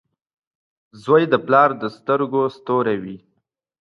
• زوی د پلار د سترګو ستوری وي.